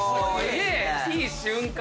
いい瞬間。